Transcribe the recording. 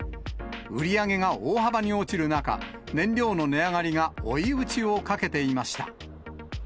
売り上げが大幅に落ちる中、燃料の値上がりが追い打ちをかけていました。